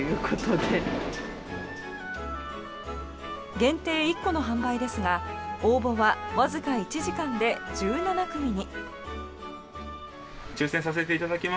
限定１個の販売ですが応募はわずか１時間で１７組に。